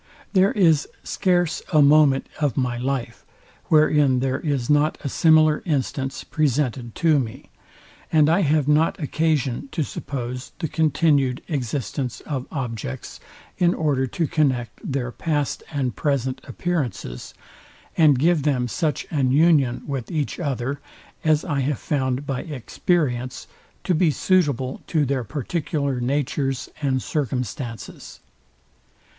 There is scarce a moment of my life, wherein there is not a similar instance presented to me, and I have not occasion to suppose the continued existence of objects, in order to connect their past and present appearances, and give them such an union with each other, as I have found by experience to be suitable to their particular natures and circumstances.